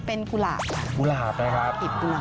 เป็นกุหลาบค่ะติดกุหลาบ